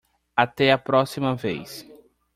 Até a próxima vez.